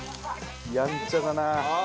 やんちゃだなあ。